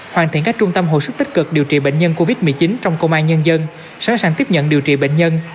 hoàn thiện các trung tâm hồi sức tích cực điều trị bệnh nhân covid một mươi chín trong công an nhân dân sẵn sàng tiếp nhận điều trị bệnh nhân